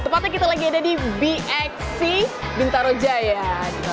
tepatnya kita lagi ada di bxc bintaro jaya